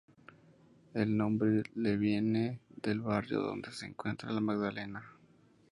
El nombre le viene del barrio donde se encuentra, La Magdalena.